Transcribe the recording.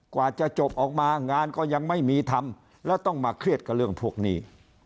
กว่าจะจบออกมางานก็ยังไม่มีทำแล้วต้องมาเครียดกับเรื่องพวกนี้